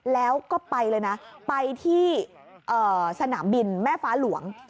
แล้วก็ไปเลยนะไปที่สนามบินแม่ฟ้าหลวง